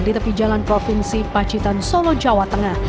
di tepi jalan provinsi pacitan solo jawa tengah